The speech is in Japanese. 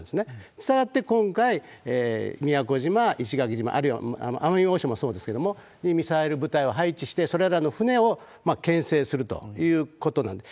したがって、今回、宮古島、石垣島、あるいは奄美大島もそうですけども、にミサイルを配置して、それらの船をけん制するということなんです。